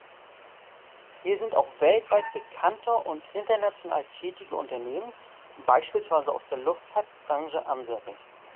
Hier sind auch weltweit bekannte und international tätige Unternehmen, beispielsweise aus der Luftfahrtbranche ansässig.